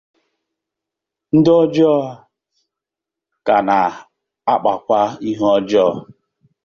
ndị ọjọọ a ka na-akpakwa ike ọjọọ